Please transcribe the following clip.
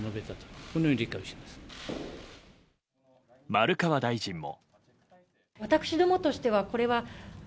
丸川大臣も。